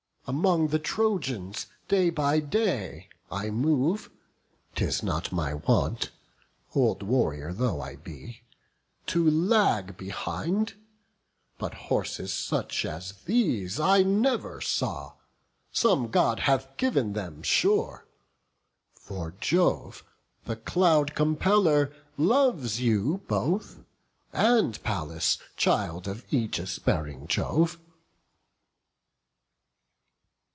Among the Trojans day by day I move; 'Tis not my wont; old warrior though I be, To lag behind; but horses such as these I never saw; some God hath giv'n them, sure; For Jove, the Cloud compeller, loves you both, And Pallas, child of aegis bearing Jove."